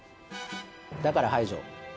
だから排除